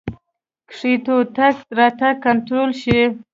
کښتیو تګ راتګ کنټرول شي.